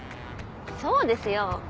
そうですよ。